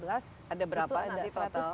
ada berapa nanti total